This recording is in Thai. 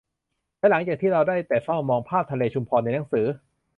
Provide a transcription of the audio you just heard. และหลังจากที่เราได้แต่เฝ้ามองภาพทะเลชุมพรในหนังสือ